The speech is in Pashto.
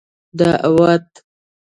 دعوت